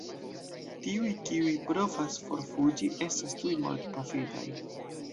Tiuj, kiuj provas forfuĝi estas tuj mortpafitaj.